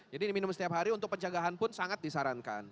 jadi minum setiap hari untuk penjagaan pun sangat disarankan